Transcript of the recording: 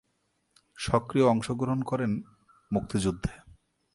সক্রিয় অংশগ্রহণ করেন মুক্তিযুদ্ধে।